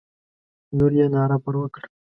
لور یې ناره پر وکړه.